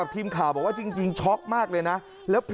และก็มีการกินยาละลายริ่มเลือดแล้วก็ยาละลายขายมันมาเลยตลอดครับ